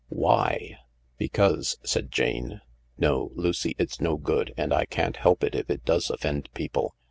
" Why ?"" Because," said Jane —" no, Lucy, it's no good, and I can't help it if it does offend people.